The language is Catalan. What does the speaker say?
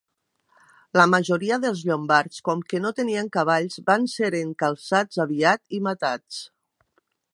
La majoria dels llombards, com que no tenien cavalls, van ser encalçats aviat i matats.